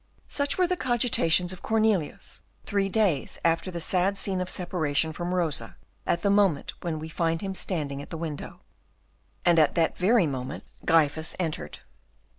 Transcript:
Such were the cogitations of Cornelius three days after the sad scene of separation from Rosa, at the moment when we find him standing at the window. And at that very moment Gryphus entered.